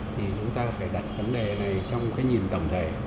thì chúng ta phải đặt vấn đề này trong cái nhìn tổng thể